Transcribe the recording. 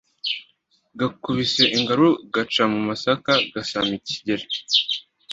Gakubise ngaru gaca mu masaka gasama Kigeri